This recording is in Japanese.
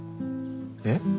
えっ？